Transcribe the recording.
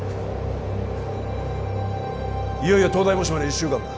いよいよ東大模試まで１週間だ